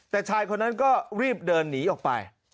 แต่ชายคนนั้นก็รีบเดินหนีออกไป